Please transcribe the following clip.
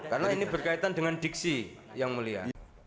karena ini berkaitan dengan diksi yang mulia